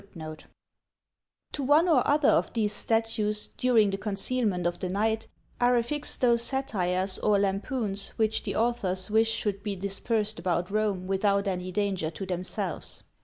To one or other of these statues, during the concealment of the night, are affixed those satires or lampoons which the authors wish should be dispersed about Rome without any danger to themselves.